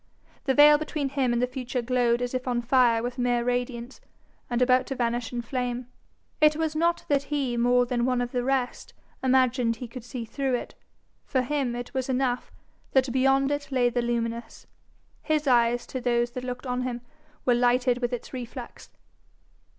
The veil between him and the future glowed as if on fire with mere radiance, and about to vanish in flame. It was not that he more than one of the rest imagined he could see through it. For him it was enough that beyond it lay the luminous. His eyes, to those that looked on him, were lighted with its reflex.